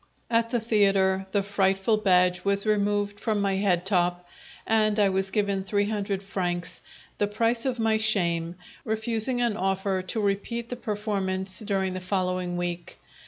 At the theatre the frightful badge was removed from my head top and I was given three hundred francs, the price of my shame, refusing an offer to repeat the performance during the following week.